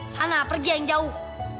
sana pergi yang jauh